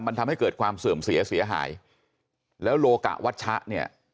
มันทำให้เกิดความเสื่อมเสียเสียหายแล้วโลกะวัชชะเนี่ย